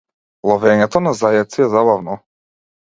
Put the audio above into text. Ловењето на зајаци е забавно.